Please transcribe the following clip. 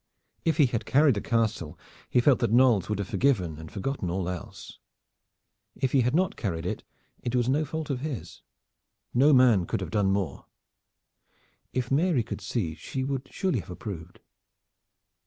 If he had carried the castle, he felt that Knolles would have forgiven and forgotten all else. If he had not carried it, it was no fault of his. No man could have done more. If Mary could see she would surely have approved.